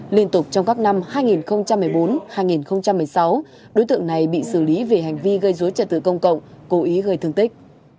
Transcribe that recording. liên tục trong các năm hai nghìn một mươi bốn hai nghìn một mươi sáu đối tượng này bị xử lý về hành vi gây dối trật tự công cộng cố ý gây thương tích